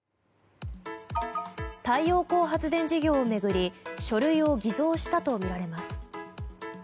太陽光発電事業を巡り書類を偽造したとみられます。